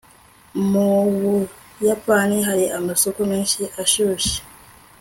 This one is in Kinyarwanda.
mu buyapani, hari amasoko menshi ashyushye